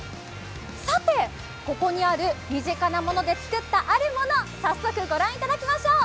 さて、ここにある身近なもので作ったあるもの、早速、御覧いただきましょう。